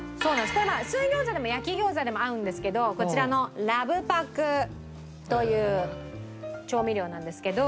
これ水餃子でも焼き餃子でも合うんですけどこちらのラブパクという調味料なんですけど。